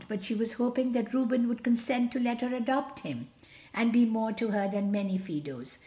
But she was hoping that Reuben would consent to let her adopt him, and be more to her than many Fidos.